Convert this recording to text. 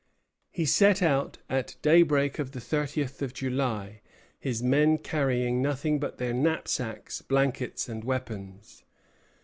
He set out at daybreak of the thirtieth of July, his men carrying nothing but their knapsacks, blankets, and weapons.